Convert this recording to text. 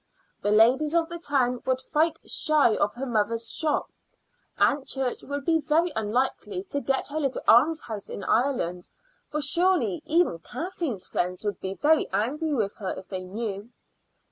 The ladies of the town would fight shy of her mother's shop. Aunt Church would be very unlikely to get her little almshouse in Ireland, for surely even Kathleen's friends would be very angry with her if they knew.